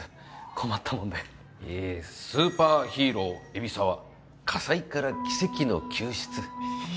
困ったもんでえー「スーパーヒーロー海老沢火災から奇跡の救出」